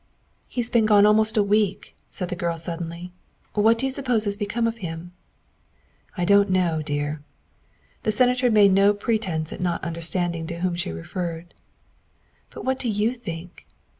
" He's been gone almost a week," said the girl sud denly. " What do you suppose has become of him?" " I don't know, dear." The Senator made no pre tence at not understanding to whom she referred. " But what do you think?"